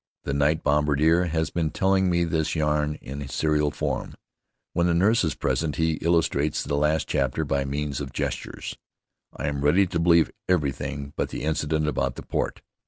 The night bombarder has been telling me this yarn in serial form. When the nurse is present, he illustrates the last chapter by means of gestures. I am ready to believe everything but the incident about the port.